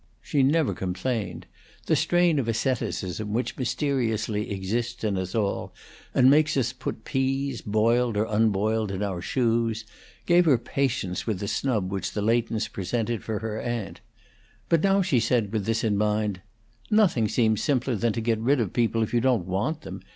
She never complained: the strain of asceticism, which mysteriously exists in us all, and makes us put peas, boiled or unboiled, in our shoes, gave her patience with the snub which the Leightons presented her for her aunt. But now she said, with this in mind: "Nothing seems simpler than to get rid of people if you don't want them.